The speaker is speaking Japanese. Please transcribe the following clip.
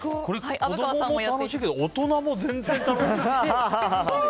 子供も楽しいけど大人も全然楽しい。